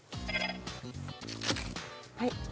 はい。